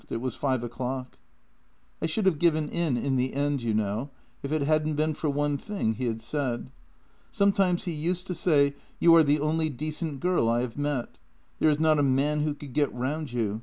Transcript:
It was five o'clock. " I should have given in in the end, you know, if it hadn't been for one thing he had said. Sometimes he used to say: ' You are the only decent girl I have met. There is not a man who could get round you.